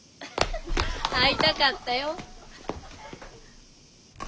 会いたかったよ。